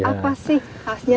apa sih khasnya